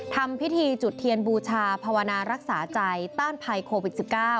ทำพิธีจุดเทียนบูชาภาวนารักษาใจต้านภัยโควิด๑๙